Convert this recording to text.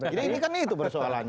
jadi ini kan itu persoalannya